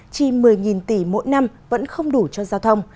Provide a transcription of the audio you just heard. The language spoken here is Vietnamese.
chi một mươi tỷ mỗi năm vẫn không đủ cho giao thông